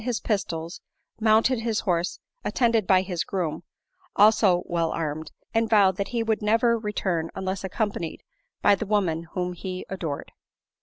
101 his pistols, mounted his horse, attended by his grodm, also well armed, and vowed that he would never return unless accompanied by the woman whom he adored."